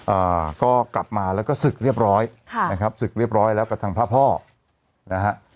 อ่าก็กลับมาแล้วก็ศึกเรียบร้อยค่ะนะครับศึกเรียบร้อยแล้วกับทางพระพ่อนะฮะ